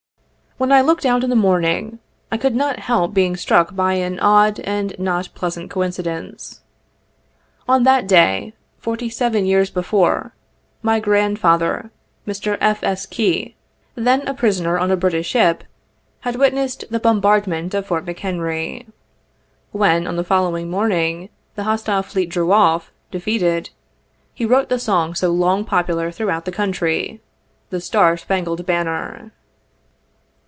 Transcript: When I looked out in the morning, I could not help being struck by an odd, and not pleasant coincidence. On that day, forty seven years before, my grand father, Mr. F. S. Key, then a prisoner on a British ship, had witnessed the bombard ment of Fort McHenry. When, on the following morning, the hostile fleet drew off, defeated, he wrote the song so long popular throughout the country, the "Star Spangled Ban ner."